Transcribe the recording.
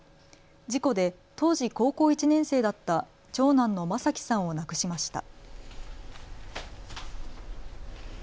事故で当時高校１年生だった長男の公輝さんを亡くしました。